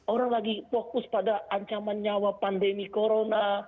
orang lagi fokus pada ancaman nyawa pandemi corona